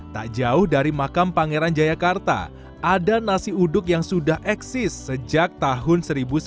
tak jauh dari makam pangeran jayakarta ada nasi uduk yang sudah eksis sejak tahun seribu sembilan ratus sembilan puluh